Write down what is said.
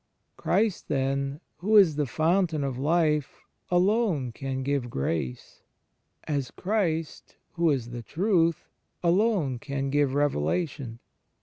Christ, then, who is the Foimtain of Life, alone can give Grace: as Christ, who is the Truth, alone can give Revelation.